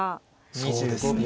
そうですね。